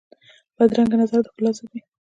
بدرنګه نظر د ښکلا ضد وي